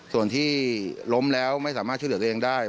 ส่วนที่ล้มแล้วไม่สามารถช่วยเหลือตัวเองได้